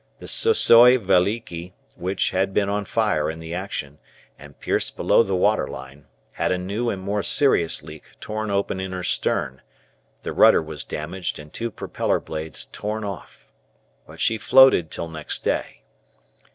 The "Sissoi Veliki," which had been on fire in the action, and pierced below the waterline, had a new and more serious leak torn open in her stern, the rudder was damaged and two propeller blades torn off. But she floated till next day.